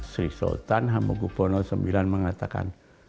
sri sultan hamegupono ix mengatakan